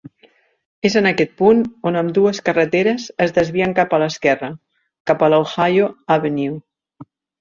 És en aquest punt on ambdues carreteres es desvien cap a l'esquerra, cap la Ohio Avenue.